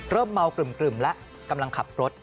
เริ่มเมากรึ่มแล้วกำลังขับรถ